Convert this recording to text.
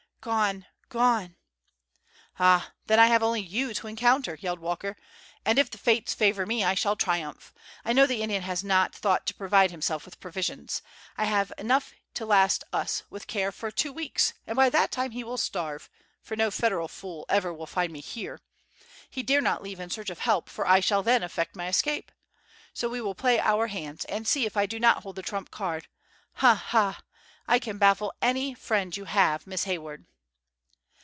"Gone—gone!" "Ah! then I have only you to encounter," yelled Walker, "and, if the Fates favor me, I shall triumph. I know the Indian has not thought to provide himself with provisions. I have enough to last us, with care, for two weeks, and by that time he will starve, for no Federal fool ever will find me here. He dare not leave in search of help, for I should then effect my escape. So we will play our hands, and see if I do not hold the trump card. Ha! ha! I can baffle any friend you have, Miss Hayward."